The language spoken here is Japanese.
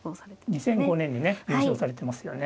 ２００５年にね優勝されてますよね。